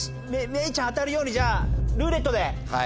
めいちゃん当たるようにじゃあ「ルーレット」で。